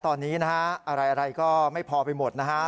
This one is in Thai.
ตอนนี้นะฮะอะไรก็ไม่พอไปหมดนะฮะ